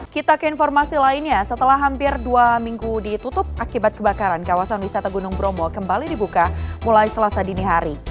kita ke informasi lainnya setelah hampir dua minggu ditutup akibat kebakaran kawasan wisata gunung bromo kembali dibuka mulai selasa dini hari